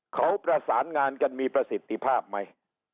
เขาประสานงานกันมีประสิทธิภาพไหม